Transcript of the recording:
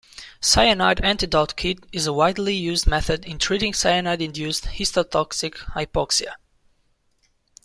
Cyanide antidote kit is a widely used method in treating cyanide induced histotoxic hypoxia.